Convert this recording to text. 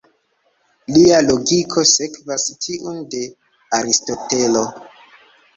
Lia logiko sekvas tiun de Aristotelo.